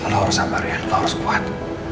lo harus sabar ya lo harus kuat